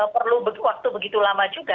perlu waktu begitu lama juga